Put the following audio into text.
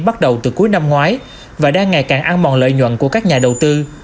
bắt đầu từ cuối năm ngoái và đang ngày càng ăn mòn lợi nhuận của các nhà đầu tư